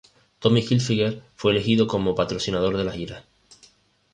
Tommy Hilfiger fue elegido como el patrocinador de la gira.